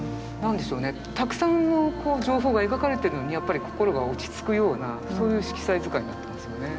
たくさん情報が描かれてるのにやっぱり心が落ち着くようなそういう色彩使いになってますよね。